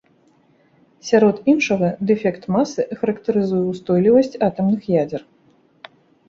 Сярод іншага, дэфект масы характарызуе ўстойлівасць атамных ядзер.